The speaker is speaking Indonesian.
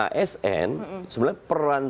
asn sebenarnya peran